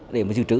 để mà dự trữ